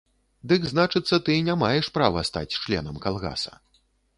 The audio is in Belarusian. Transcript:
Дык, значыцца, ты не маеш права стаць членам калгаса.